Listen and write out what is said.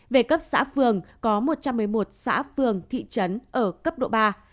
về cấp xã phường có một trăm một mươi một xã phường thị trấn ở cấp độ ba